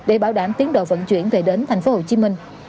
để bảo đảm tiến đồ vận chuyển về đến tp hcm